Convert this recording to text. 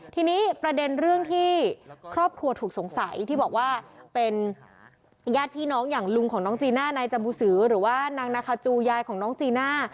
ทีนี้ประเด็นเรื่องที่ครอบครัวถูกสงสัยที่บอกว่าเป็นญาติพี่น้องอย่างลุงของน้องจีน่านายจบูสือหรือว่านางนาคาจูยายของน้องจีน่า